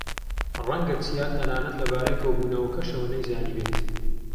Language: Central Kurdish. ڕەنگە چیا تەنانەت لەبارەی کۆبوونەوەکەشەوە نەیزانیبێت.